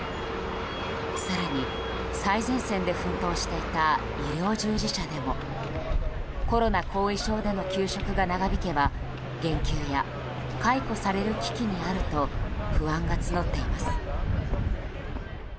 更に、最前線で奮闘していた医療従事者でもコロナ後遺症での休職が長引けば減給や解雇される危機にあると不安が募っています。